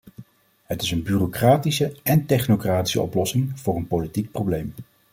Het is een bureaucratische en technocratische oplossing voor een politiek probleem.